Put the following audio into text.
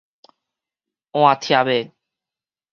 換帖的